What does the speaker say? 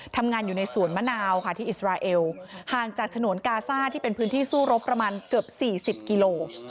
ทำงานอยู่ในสวนมะนาวค่ะที่อิสราเอลห่างจากฉนวนกาซ่าที่เป็นพื้นที่สู้รบประมาณเกือบ๔๐กิโล